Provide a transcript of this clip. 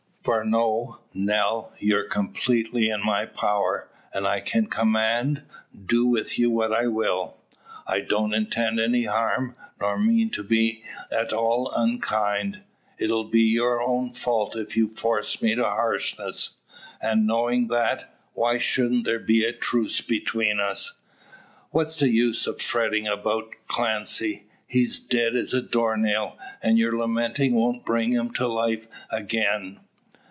For know, Nell, you're completely in my power, and I can command, do with you what I will. I don't intend any harm, nor mean to be at all unkind. It'll be your own fault if you force me to harshness. And knowing that, why shouldn't there be truce between us? What's the use of fretting about Clancy? He's dead as a door nail, and your lamenting won't bring him to life again.